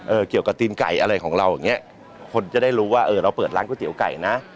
เกี่ยวกับตีนไก่อะไรของเราอย่างเงี้ยคนจะได้รู้ว่าเออเราเปิดร้านก๋วยเตี๋ยวไก่นะ